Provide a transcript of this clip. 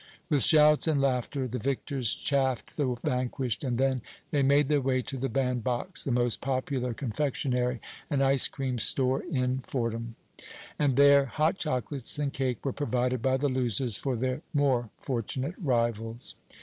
With shouts and laughter the victors chaffed the vanquished, and then they made their way to the Band Box, the most popular confectionery and ice cream store in Fordham, and there hot chocolates and cake were provided by the losers for their more fortunate rivals.